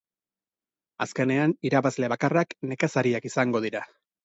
Azkenean irabazle bakarrak nekazariak izango dira.